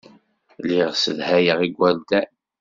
Lliɣ ssedhayeɣ igerdan.